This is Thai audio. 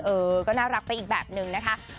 เออก็น่ารักไปอีกแบบนึงนะคะ